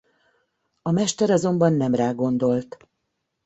A Mester azonban nem rá gondolt.